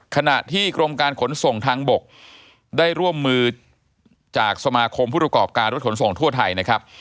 ขณะที่กรมการขนส่งทางบกได้ร่วมมือจากสมาคมผู้ประกอบการรถขนส่งทั่วไทยนะครับ